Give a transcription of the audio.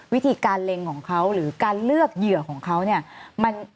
วิธีการเล็งของเขาหรือการเลือกเหยื่อของเขาเนี่ย